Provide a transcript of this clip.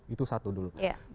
itu satu dulu